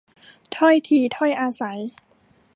ถ้อยทีถ้อยอาศัย